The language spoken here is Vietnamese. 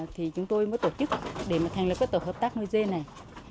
thì chúng tôi mới tổ chức để mà thành lập các tổ hợp tác nuôi dê này